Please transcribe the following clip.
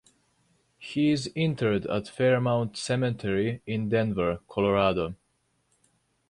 He is interred at Fairmount Cemetery in Denver, Colorado.